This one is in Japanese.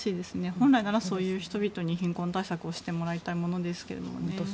本来なら、そういう人々に貧困対策をしてもらいたいものですけど。